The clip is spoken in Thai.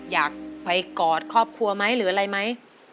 อยากไปกอดครอบครัวไหมหรืออะไรไหม